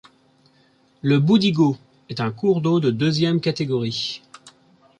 Le Boudigau est un cours d'eau de deuxième catégorie.